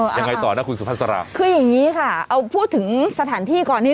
ยังไงต่อนะคุณสุภาษาคืออย่างนี้ค่ะเอาพูดถึงสถานที่ก่อนนี้